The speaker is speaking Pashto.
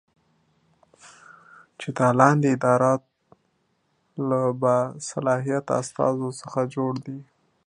چې د لاندې اداراتو له باصلاحیته استازو څخه جوړه دی